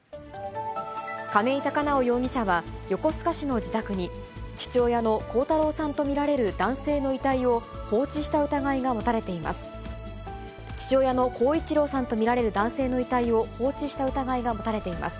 亀井孝直容疑者は、横須賀市の自宅に、父親の孝太郎さんと見られる男性の遺体を放置した疑いが持たれています。